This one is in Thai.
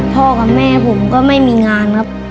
พ่อกับแม่ผมก็ไม่มีงานครับ